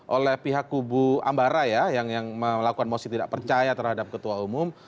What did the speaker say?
oleh pihak bu ambaraya yang melakukan mosi tidak percaya terhadap ketua umum